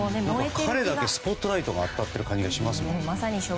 彼だけスポットライトが当たっている感じがしますね。